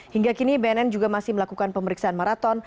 hingga kini bnn juga masih melakukan pemeriksaan maraton